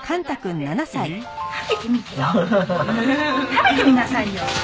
食べてみなさいよ！